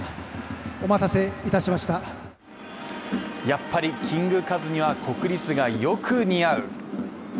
やっぱりキングカズには国立がよく似合う。